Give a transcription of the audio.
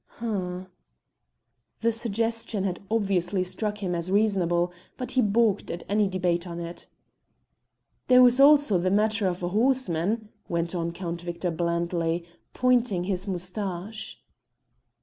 "H'm!" The suggestion had obviously struck him as reasonable, but he baulked at any debate on it. "There was also the matter of the horseman," went on Count Victor blandly, pointing his moustache.